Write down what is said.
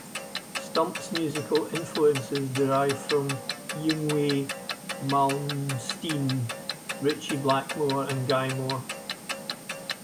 Stumps' musical influences derive from Yngwie Malmsteen, Ritchie Blackmore and Gary Moore.